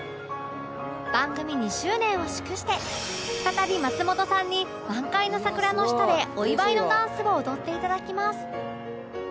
番組２周年を祝して再び松本さんに満開の桜の下でお祝いのダンスを踊っていただきます